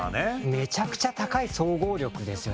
めちゃくちゃ高い総合力ですよね。